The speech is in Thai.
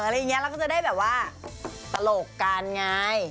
อะไรอย่างนี้เราก็จะได้แบบว่าตลกกันไง